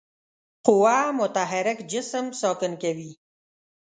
قوه متحرک جسم ساکن کوي.